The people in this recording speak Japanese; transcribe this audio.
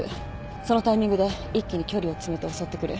そのタイミングで一気に距離を詰めて襲ってくる。